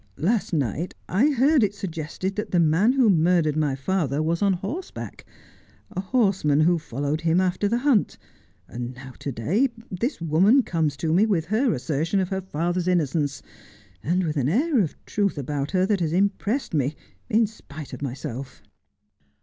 Last night 1 heard it suggested that the man who murdered my father was on horseback, a horseman who followed him after the hunt ; and now to day this woman comes to me with her assertion of her father's innocence, and with an air of truth about her that has impressed me in spite of myself.'